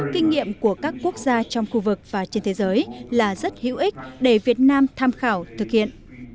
kinh nghiệm của các quốc gia trong khu vực và trên thế giới là rất hữu ích để việt nam tham khảo thực hiện